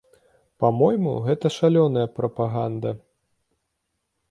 Па-мойму, гэта шалёная прапаганда.